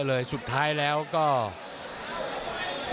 เลยสุดท้ายแล้วก็